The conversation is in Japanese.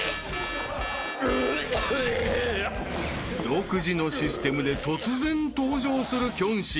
［独自のシステムで突然登場するキョンシー］